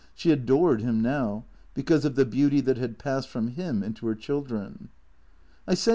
She adored him now, because of the beauty that had passed from him into her children. "I say.